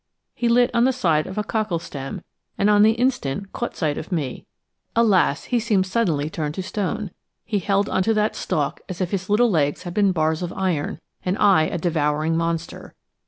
He lit on the side of a cockle stem, and on the instant caught sight of me. Alas! he seemed suddenly turned to stone. He held onto that stalk as if his little legs had been bars of iron and I a devouring monster.